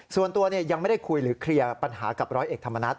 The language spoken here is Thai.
ส่วนตัวยังไม่ได้คุยหรือเคลียร์ปัญหากับร้อยเอกธรรมนัฐ